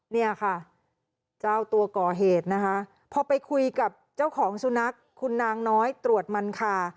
เนี่ยค่ะเจ้าตัวก่อเหตุนะคะพอไปคุยกับเจ้าของสุนัขคุณนางน้อยตรวจมันคา